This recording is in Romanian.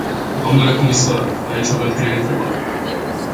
Dle comisar, aici avem trei întrebări.